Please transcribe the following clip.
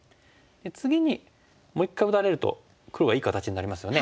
次にもう一回打たれると黒がいい形になりますよね。